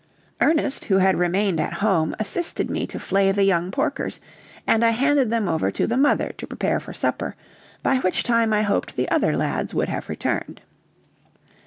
Ernest, who had remained at home, assisted me to flay the young porkers, and I handed them over to the mother to prepare for supper; by which time I hoped the other lads would have returned.